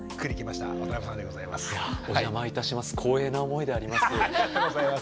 光栄な思いであります。